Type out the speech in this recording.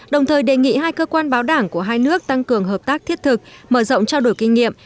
đồng thời đề nghị hai cơ quan báo đảng của hai nước tăng cường hợp tác thiết thực mở rộng trao đổi kinh nghiệm